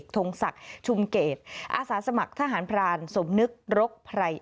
๑๑ถงศักดิ์ชุมเกตอสสมัครทหารปรานสมนึกรกภัย